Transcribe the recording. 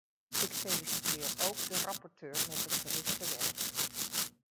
Ik feliciteer ook de rapporteur met het verrichte werk.